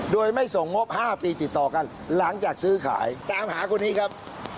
โดยไม่ส่งงบ๕ปีติดต่อกันหลังจากซื้อขายตามหาคนนี้ครับ